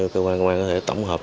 cơ quan công an có thể tổng hợp